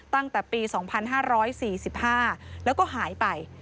ตั้งแต่ปี๒๕๔๕แล้วก็หายไป